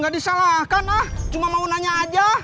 gak disalahkan ah cuma mau nanya aja